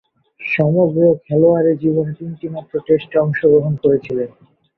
সমগ্র খেলোয়াড়ী জীবনে তিনটিমাত্র টেস্টে অংশগ্রহণ করেছিলেন।